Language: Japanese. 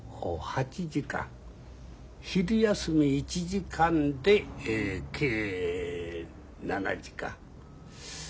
昼休み１時間で計７時間。